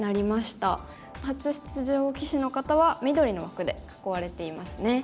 初出場棋士の方は緑の枠で囲われていますね。